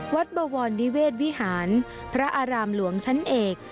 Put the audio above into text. บวรนิเวศวิหารพระอารามหลวงชั้นเอก